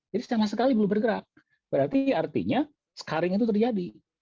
jadi sama sekali belum bergerak berarti artinya scarring itu terjadi